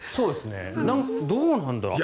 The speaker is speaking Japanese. どうなんだろう。